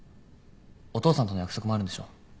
お父さんとの約束もあるんでしょ？